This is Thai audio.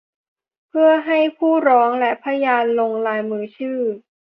เพื่อให้ผู้ร้องและพยานลงลายมือชื่อ